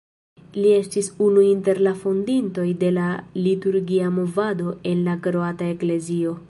Li estis unu inter la fondintoj de la liturgia movado en la kroata Eklezio.